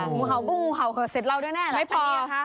กูหาวกูพริกครับเสร็จเราด้วยแน่แถมกะเนียก่อน